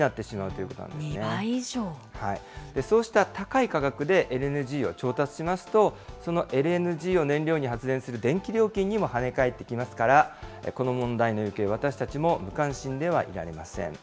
そうした高い価格でＬＮＧを調達しますと、そのＬＮＧを燃料に発電する電気料金にもはね返ってきますから、この問題の行方、私たちも無関心ではいられません。